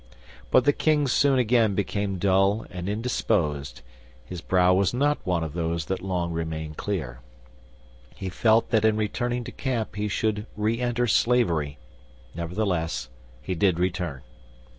But the king soon again became dull and indisposed; his brow was not one of those that long remain clear. He felt that in returning to camp he should re enter slavery; nevertheless, he did return.